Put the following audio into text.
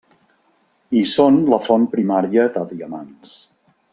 I són la font primària de diamants.